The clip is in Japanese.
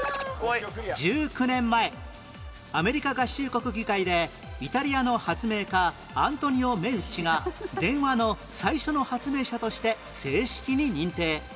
１９年前アメリカ合衆国議会でイタリアの発明家アントニオ・メウッチが電話の最初の発明者として正式に認定